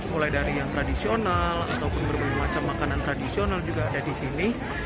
mulai dari yang tradisional ataupun berbagai macam makanan tradisional juga ada di sini